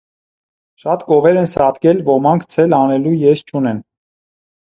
Շատ կովեր են սատկել, ոմանք ցել անելու եզ չունեն: